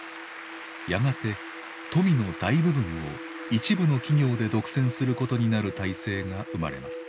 やがて富の大部分を一部の企業で独占することになる体制が生まれます。